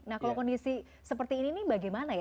nah kalau kondisi seperti ini bagaimana